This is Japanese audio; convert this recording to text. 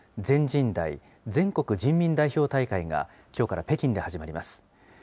全人代・全国人民代表大会が、きょうから北京で始まります。